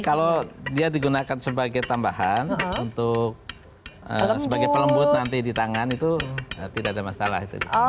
kalau dia digunakan sebagai tambahan untuk sebagai pelembut nanti di tangan itu tidak ada masalah